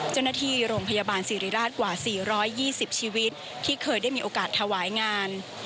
เจ้าหน้าที่โรงพยาบาลศิริราชกว่า๔๒๐ชีวิตที่เคยได้มีโอกาสถวายงาน